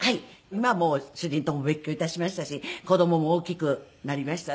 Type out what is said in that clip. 今もう主人とも別居致しましたし子供も大きくなりましたんで。